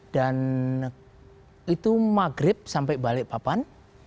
dan itu maghrib sampai balik papan